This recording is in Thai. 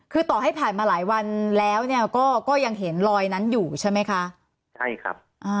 คือต่อให้ผ่านมาหลายวันแล้วเนี่ยก็ยังเห็นรอยนั้นอยู่ใช่ไหมคะใช่ครับ